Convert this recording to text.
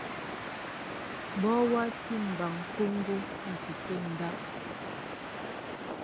Bɔ watí mɓaŋ mpoŋgo akɛkέ ndáw.